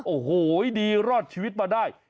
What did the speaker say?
โอ้โหดีรอดชีวิตมาได้